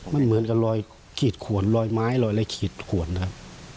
มันเหมือนกับรอยขีดขวนรอยไม้รอยอะไรขีดขวนครับ